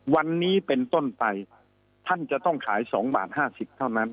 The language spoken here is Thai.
วันนี้เป็นต้นไปท่านจะต้องขาย๒บาท๕๐เท่านั้น